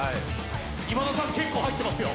今田さん、結構入ってますよ。